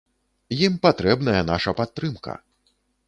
Ім патрэбная наша падтрымка!